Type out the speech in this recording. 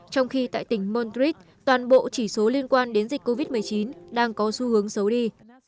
trong khi tại tỉnh madrid toàn bộ chỉ số liên quan đến dịch covid một mươi chín đang có xu hướng xấu đi